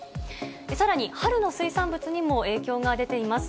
さらに春の水産物にも影響が出ています。